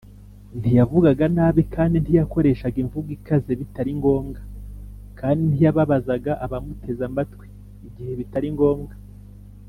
ntiyavugaga nabi, kandi ntiyakoreshaga imvugo ikaze bitari ngombwa, kandi ntiyababazaga abamuteze amatwi igihe bitari ngombwa